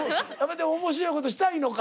でも面白いことしたいのか？